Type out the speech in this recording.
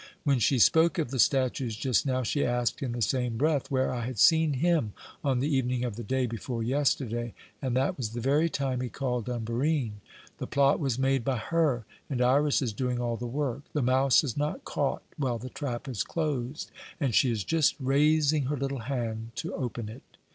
When she spoke of the statues just now, she asked in the same breath where I had seen him on the evening of the day before yesterday, and that was the very time he called on Barine. The plot was made by her, and Iras is doing all the work. The mouse is not caught while the trap is closed, and she is just raising her little hand to open it."